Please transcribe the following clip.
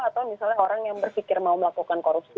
atau misalnya orang yang berpikir mau melakukan korupsi